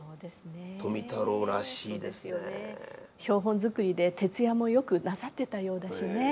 標本作りで徹夜もよくなさってたようだしね。